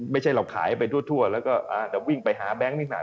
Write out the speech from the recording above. ไม่ใช่เราขายไปทั่วแล้วก็อาจจะวิ่งไปหาแบงค์นิดหน่อย